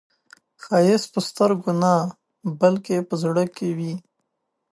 ښایست په سترګو نه، بلکې په زړه کې وي